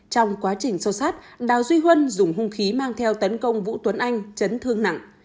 trong quá trình sâu sát đào duy huân dùng hung khí mang theo tấn công vũ tuấn anh chấn thương nặng